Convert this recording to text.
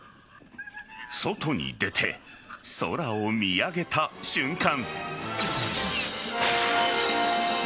外に出て、空を見上げた瞬間。